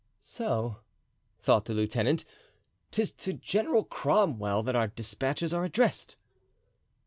"So!" thought the lieutenant, "'tis to General Cromwell that our dispatches are addressed."